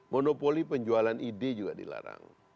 monopoli penjualan ide juga dilarang